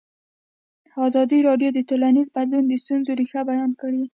ازادي راډیو د ټولنیز بدلون د ستونزو رېښه بیان کړې.